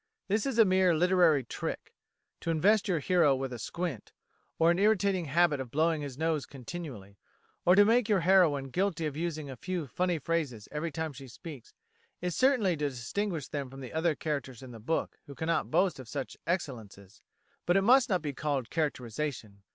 This is a mere literary "trick." To invest your hero with a squint, or an irritating habit of blowing his nose continually; or to make your heroine guilty of using a few funny phrases every time she speaks, is certainly to distinguish them from the other characters in the book who cannot boast of such excellences, but it must not be called characterisation.